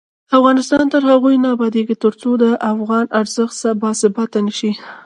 افغانستان تر هغو نه ابادیږي، ترڅو د افغانۍ ارزښت باثباته نشي.